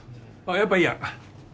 やっぱいいや。